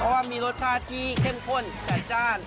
เพราะว่ามีรสชาติที่เข้มข้นจัดจ้าน